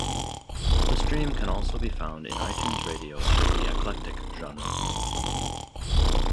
The stream can also be found in iTunes Radio under the "Eclectic" genre.